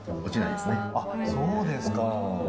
あっそうですか。